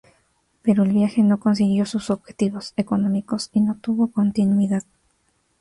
Pero el viaje no consiguió sus objetivos económicos y no tuvo continuidad.